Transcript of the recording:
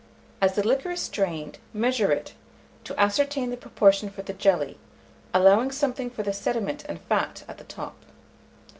As the liquor is strained, measure it, to ascertain the proportion for the jelly, allowing something for the sediment and fat at the top.